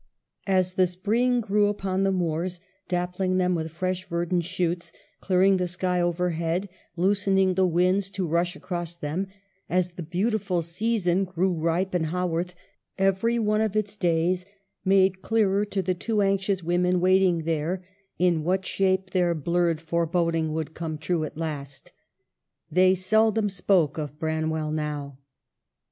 As the spring grew upon the moors, dappling them with fresh verdant shoots, clearing the sky overhead, loosening the winds to rush across them ; as the beautiful season grew ripe in Haworth, every one of its days made clearer to the two anxious women waiting there in what shape their blurred foreboding would come true at last. They seldom spoke of Branwell now.